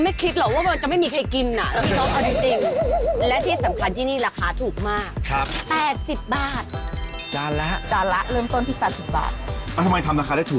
เพราะเราไม่มีลูกจ้างเราทำกันเองในครอบครัว